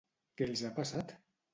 Què els ha passat?